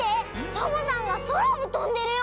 サボさんがそらをとんでるよ！